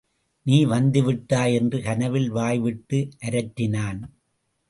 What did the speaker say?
நீ வந்துவிட்டாய் என்று கனவில் வாய்விட்டு அரற்றினான்.